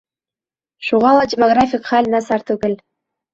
Шуға ла демографик хәл насар түгел.